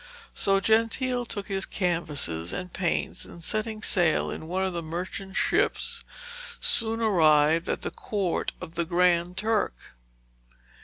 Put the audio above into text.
So Gentile took his canvases and paints, and, setting sail in one of the merchant ships, soon arrived at the court of the Grand Turk.